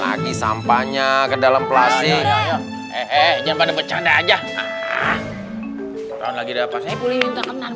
lagi sampahnya ke dalam plastik jangan pada bercanda aja lagi dapat saya pulih minta kenal